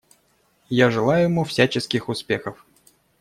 Я желаю ему всяческих успехов.